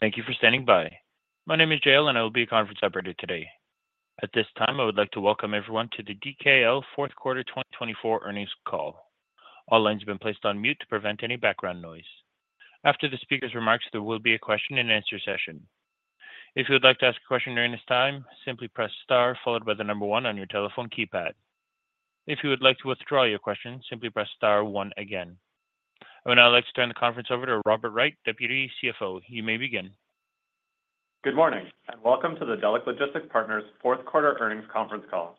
Thank you for standing by. My name is Jale, and I will be your conference operator today. At this time, I would like to welcome everyone to the DKL Fourth Quarter 2024 earnings call. All lines have been placed on mute to prevent any background noise. After the speaker's remarks, there will be a question-and-answer session. If you would like to ask a question during this time, simply press star followed by the number one on your telephone keypad. If you would like to withdraw your question, simply press star one again. I would now like to turn the conference over to Robert Wright, Deputy CFO. You may begin. Good morning, and welcome to the Delek Logistics Partners Fourth Quarter earnings conference call.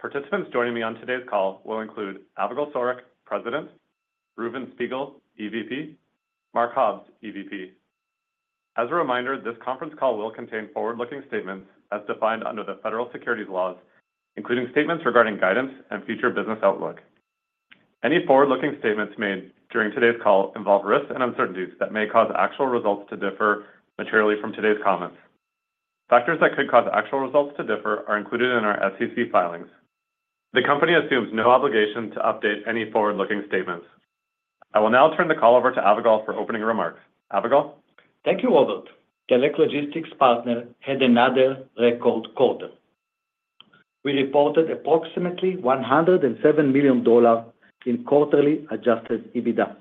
Participants joining me on today's call will include Avigal Soreq, President; Reuven Spiegel, EVP; Mark Hobbs, EVP. As a reminder, this conference call will contain forward-looking statements as defined under the federal securities laws, including statements regarding guidance and future business outlook. Any forward-looking statements made during today's call involve risks and uncertainties that may cause actual results to differ materially from today's comments. Factors that could cause actual results to differ are included in our SEC filings. The company assumes no obligation to update any forward-looking statements. I will now turn the call over to Avigal for opening remarks. Avigal. Thank you, Robert. Delek Logistics Partners had another record quarter. We reported approximately $107 million in quarterly adjusted EBITDA.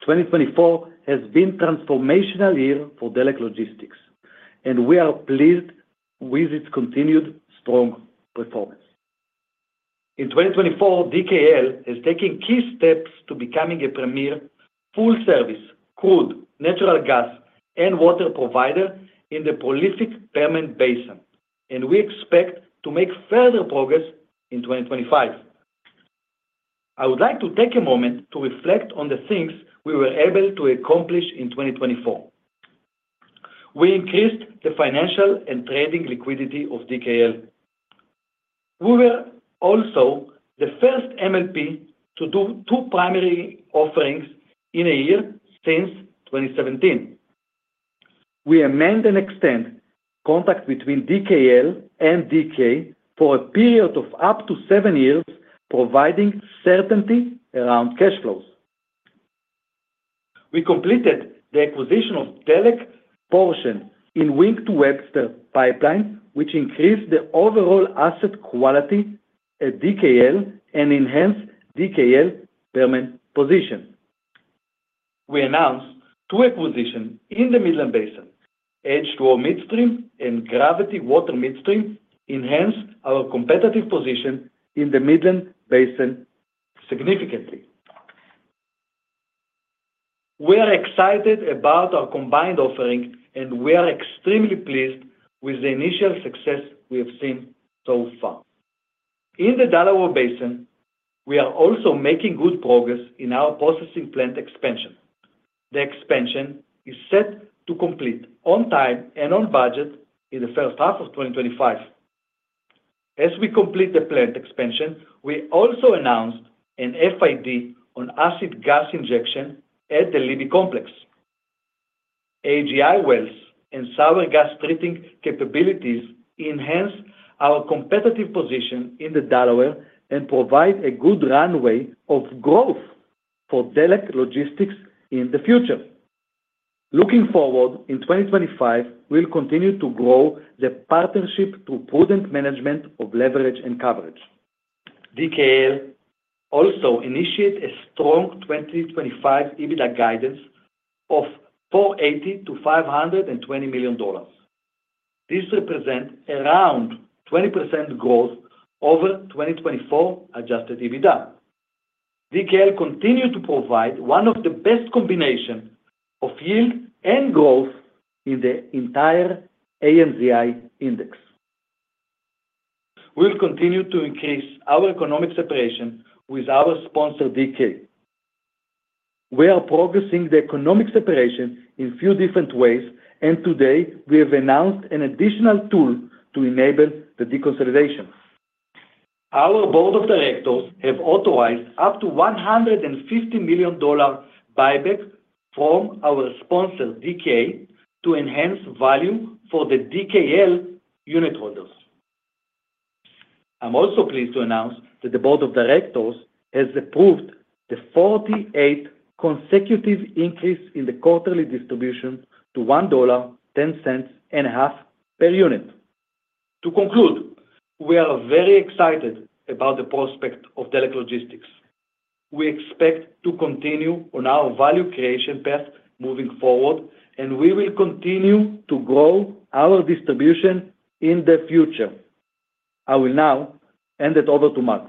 2024 has been a transformational year for Delek Logistics, and we are pleased with its continued strong performance. In 2024, DKL is taking key steps to becoming a premier full-service crude, natural gas, and water provider in the prolific Permian Basin, and we expect to make further progress in 2025. I would like to take a moment to reflect on the things we were able to accomplish in 2024. We increased the financial and trading liquidity of DKL. We were also the first MLP to do two primary offerings in a year since 2017. We amended and extended contract between DKL and DK for a period of up to seven years, providing certainty around cash flows. We completed the acquisition of Delek portion in Wink-to-Webster pipelines, which increased the overall asset quality at DKL and enhanced DKL's Permian position. We announced two acquisitions in the Midland Basin: H2O Midstream and Gravity Water Midstream, which enhanced our competitive position in the Midland Basin significantly. We are excited about our combined offering, and we are extremely pleased with the initial success we have seen so far. In the Delaware Basin, we are also making good progress in our processing plant expansion. The expansion is set to complete on time and on budget in the first half of 2025. As we complete the plant expansion, we also announced an FID on acid gas injection at the Libby Complex. AGI wells and sour gas treating capabilities enhance our competitive position in the Delaware Basin and provide a good runway of growth for Delek Logistics in the future. Looking forward, in 2025, we'll continue to grow the partnership through prudent management of leverage and coverage. DKL also initiated a strong 2025 EBITDA guidance of $480-$520 million. This represents around 20% growth over 2024 adjusted EBITDA. DKL continues to provide one of the best combinations of yield and growth in the entire AMZ Index. We'll continue to increase our economic separation with our sponsor, DK. We are progressing the economic separation in a few different ways, and today we have announced an additional tool to enable the deconsolidation. Our board of directors have authorized up to $150 million buyback from our sponsor, DK, to enhance value for the DKL unit holders. I'm also pleased to announce that the board of directors has approved the 48th consecutive increase in the quarterly distribution to $1.105 per unit. To conclude, we are very excited about the prospect of Delek Logistics. We expect to continue on our value creation path moving forward, and we will continue to grow our distribution in the future. I will now hand it over to Mark.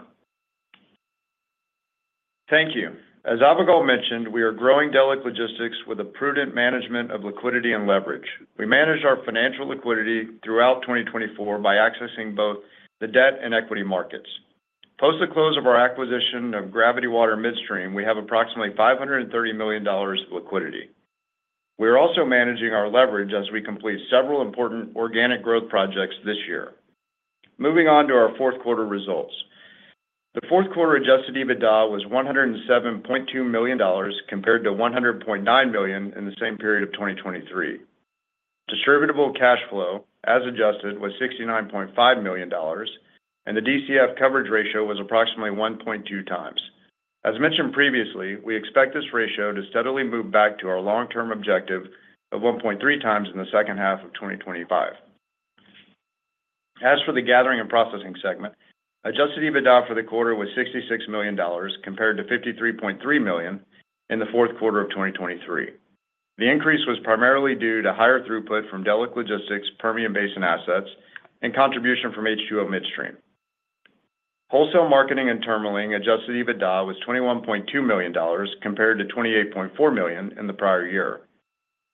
Thank you. As Avigal mentioned, we are growing Delek Logistics with a prudent management of liquidity and leverage. We manage our financial liquidity throughout 2024 by accessing both the debt and equity markets. Post the close of our acquisition of Gravity Water Midstream, we have approximately $530 million liquidity. We are also managing our leverage as we complete several important organic growth projects this year. Moving on to our fourth quarter results. The fourth quarter Adjusted EBITDA was $107.2 million compared to $100.9 million in the same period of 2023. Distributable Cash Flow, as adjusted, was $69.5 million, and the DCF coverage ratio was approximately 1.2 times. As mentioned previously, we expect this ratio to steadily move back to our long-term objective of 1.3 times in the second half of 2025. As for the gathering and processing segment, Adjusted EBITDA for the quarter was $66 million compared to $53.3 million in the fourth quarter of 2023. The increase was primarily due to higher throughput from Delek Logistics' Permian Basin assets and contribution from H2O Midstream. Wholesale marketing and terminaling Adjusted EBITDA was $21.2 million compared to $28.4 million in the prior year.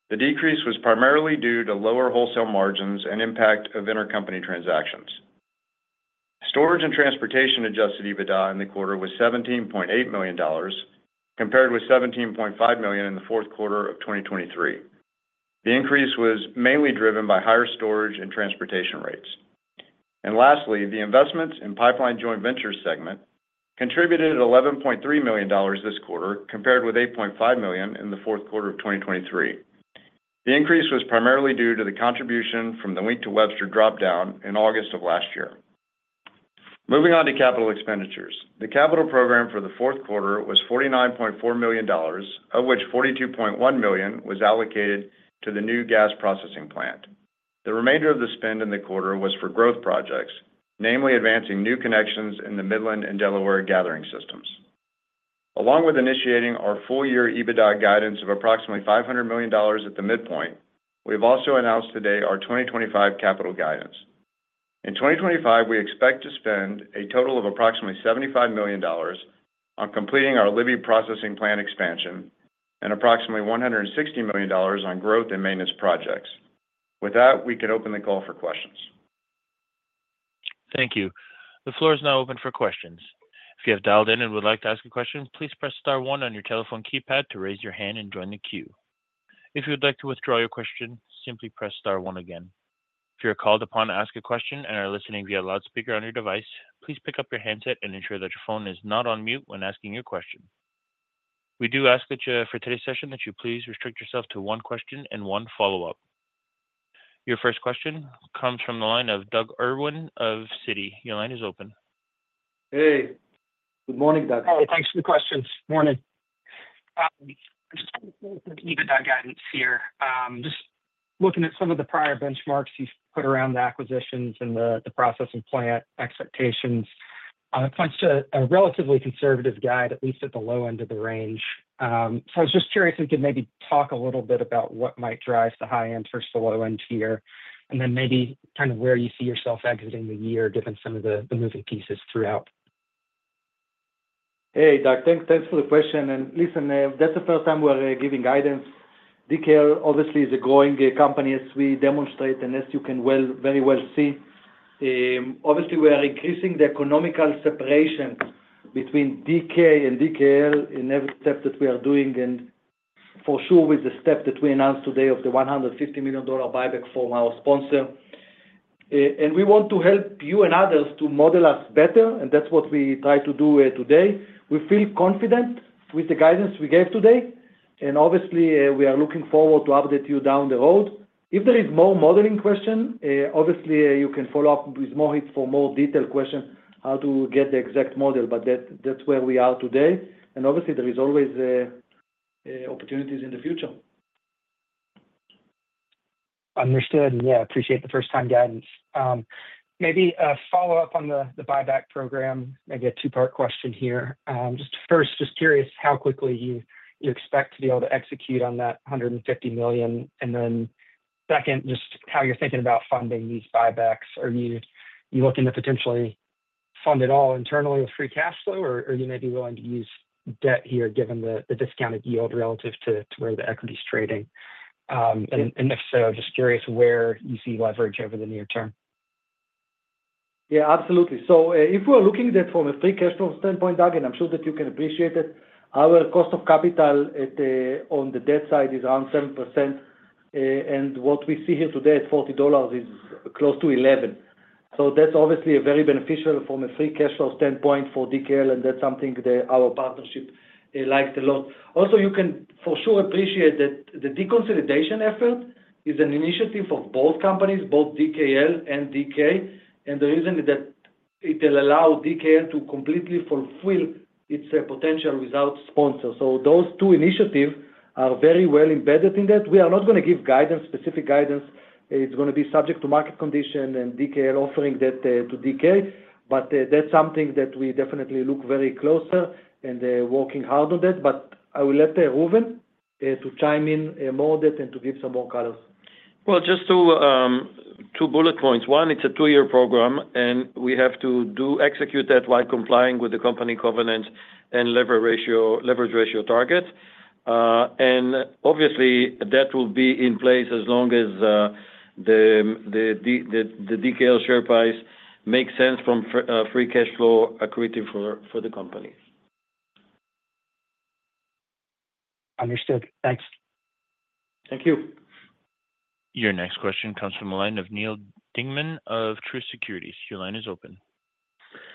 The decrease was primarily due to lower wholesale margins and impact of intercompany transactions. Storage and transportation Adjusted EBITDA in the quarter was $17.8 million compared with $17.5 million in the fourth quarter of 2023. The increase was mainly driven by higher storage and transportation rates. And lastly, the investments in pipeline joint ventures segment contributed $11.3 million this quarter compared with $8.5 million in the fourth quarter of 2023. The increase was primarily due to the contribution from the Wink-to-Webster dropdown in August of last year. Moving on to capital expenditures. The capital program for the fourth quarter was $49.4 million, of which $42.1 million was allocated to the new gas processing plant. The remainder of the spend in the quarter was for growth projects, namely advancing new connections in the Midland and Delaware gathering systems. Along with initiating our full-year EBITDA guidance of approximately $500 million at the midpoint, we have also announced today our 2025 capital guidance. In 2025, we expect to spend a total of approximately $75 million on completing our Libby processing plant expansion and approximately $160 million on growth and maintenance projects. With that, we can open the call for questions. Thank you. The floor is now open for questions. If you have dialed in and would like to ask a question, please press star one on your telephone keypad to raise your hand and join the queue. If you would like to withdraw your question, simply press star one again. If you're called upon to ask a question and are listening via loudspeaker on your device, please pick up your handset and ensure that your phone is not on mute when asking your question. We do ask that for today's session that you please restrict yourself to one question and one follow-up. Your first question comes from the line of Doug Irwin of Citi. Your line is open. Hey. Good morning, Doug. Hey, thanks for the question. Good morning. I'm just going to start with the EBITDA guidance here. Just looking at some of the prior benchmarks you've put around the acquisitions and the processing plant expectations, it points to a relatively conservative guide, at least at the low end of the range. So I was just curious if you could maybe talk a little bit about what might drive the high end versus the low end here, and then maybe kind of where you see yourself exiting the year, given some of the moving pieces throughout. Hey, Doug, thanks for the question, and listen, that's the first time we are giving guidance. DKL obviously is a growing company as we demonstrate, and as you can very well see, obviously we are increasing the economic separation between DK and DKL in every step that we are doing, and for sure, with the step that we announced today of the $150 million buyback from our sponsor, and we want to help you and others to model us better, and that's what we try to do today. We feel confident with the guidance we gave today, and obviously we are looking forward to update you down the road. If there is more modeling questions, obviously you can follow up with Mohit for more detailed questions on how to get the exact model, but that's where we are today, and obviously, there are always opportunities in the future. Understood. Yeah, appreciate the first-time guidance. Maybe a follow-up on the buyback program, maybe a two-part question here. Just first, just curious how quickly you expect to be able to execute on that $150 million. And then second, just how you're thinking about funding these buybacks. Are you looking to potentially fund it all internally with free cash flow, or are you maybe willing to use debt here given the discounted yield relative to where the equity is trading? And if so, just curious where you see leverage over the near term. Yeah, absolutely. So if we're looking at it from a free cash flow standpoint, Doug, and I'm sure that you can appreciate it, our cost of capital on the debt side is around 7%. And what we see here today at $40 is close to 11. So that's obviously very beneficial from a free cash flow standpoint for DKL, and that's something that our partnership likes a lot. Also, you can for sure appreciate that the deconsolidation effort is an initiative of both companies, both DKL and DK, and the reason is that it will allow DKL to completely fulfill its potential without sponsors. So those two initiatives are very well embedded in that. We are not going to give guidance, specific guidance. It's going to be subject to market conditions and DKL offering that to DK. But that's something that we definitely look very closely and are working hard on that. But I will let Reuven chime in more on that and to give some more colors. Just two bullet points. One, it's a two-year program, and we have to execute that while complying with the company covenants and leverage ratio targets. Obviously, that will be in place as long as the DKL share price makes sense from free cash flow accruing for the company. Understood. Thanks. Thank you. Your next question comes from the line of Neal Dingman of Truist Securities. Your line is open.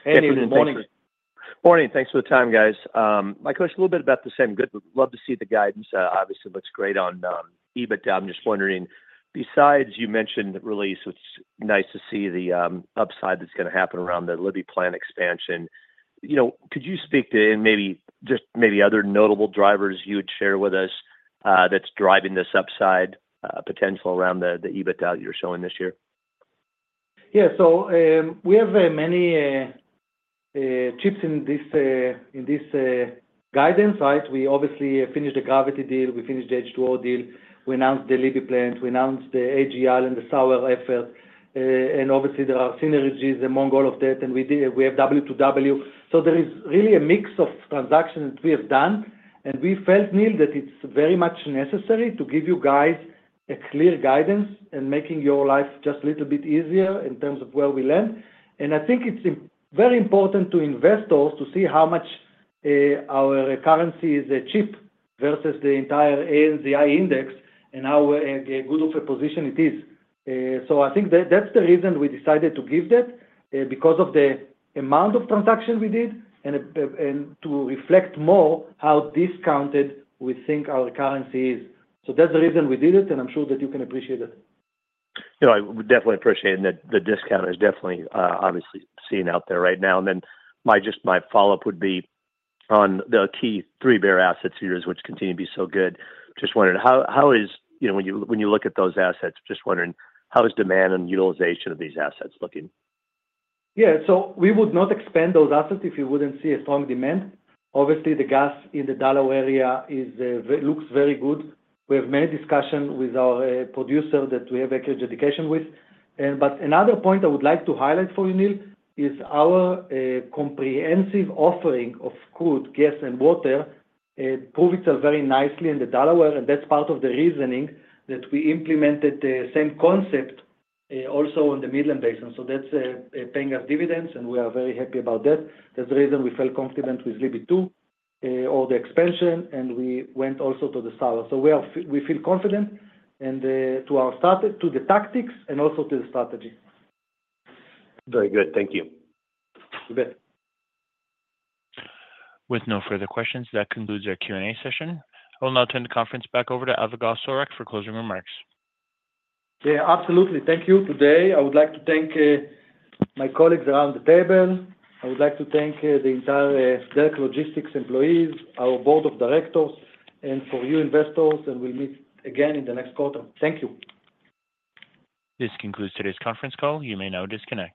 Hey, good morning. Good morning. Thanks for the time, guys. My question is a little bit about the same. I'd love to see the guidance. Obviously, it looks great on EBITDA. I'm just wondering, besides you mentioned release, it's nice to see the upside that's going to happen around the Libby plant expansion. Could you speak to, and maybe just maybe other notable drivers you would share with us that's driving this upside potential around the EBITDA you're showing this year? Yeah. So we have many chips in this guidance, right? We obviously finished the Gravity deal. We finished the H2O deal. We announced the Libby plant. We announced the AGI and the sour effort. And obviously, there are synergies among all of that, and we have W2W. So there is really a mix of transactions that we have done, and we felt, Neal, that it's very much necessary to give you guys clear guidance and make your life just a little bit easier in terms of where we land. And I think it's very important to investors to see how much our currency is cheap versus the entire AMZ Index and how good of a position it is. So I think that's the reason we decided to give that, because of the amount of transactions we did and to reflect more how discounted we think our currency is. So that's the reason we did it, and I'm sure that you can appreciate it. Yeah, I would definitely appreciate it. The discount is definitely obviously seen out there right now. And then just my follow-up would be on the key 3Bear assets of yours, which continue to be so good. Just wondering, how is, when you look at those assets, just wondering, how is demand and utilization of these assets looking? Yeah. So we would not expand those assets if we wouldn't see a strong demand. Obviously, the gas in the Delaware Basin area looks very good. We have many discussions with our producer that we have acquisitions with. But another point I would like to highlight for you, Neal, is our comprehensive offering of crude, gas, and water proves itself very nicely in the Delaware Basin. And that's part of the reasoning that we implemented the same concept also on the Midland Basin. So that's paying us dividends, and we are very happy about that. That's the reason we felt confident with Libby II, or the expansion, and we went also to the sour. So we feel confident to the tactics and also to the strategy. Very good. Thank you. You bet. With no further questions, that concludes our Q&A session. I will now turn the conference back over to Avigal Soreq for closing remarks. Yeah, absolutely. Thank you. Today, I would like to thank my colleagues around the table. I would like to thank the entire Delek Logistics employees, our board of directors, and for you investors, and we'll meet again in the next quarter. Thank you. This concludes today's conference call. You may now disconnect.